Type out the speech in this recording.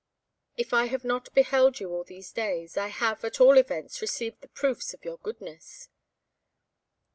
"If I have not beheld you all these days, I have, at all events, received the proofs of your goodness."